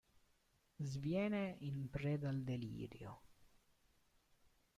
Sviene in preda al delirio.